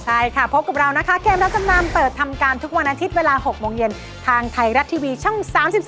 ใช่ค่ะพบกับเรานะคะเกมรับจำนำเปิดทำการทุกวันอาทิตย์เวลา๖โมงเย็นทางไทยรัฐทีวีช่อง๓๒